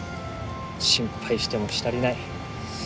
心配してもし足りない。